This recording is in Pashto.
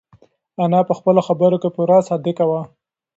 انا په خپلو خبرو کې پوره صادقه وه.